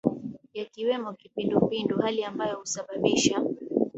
yakiwemo kipindupindu hali ambayo husababisha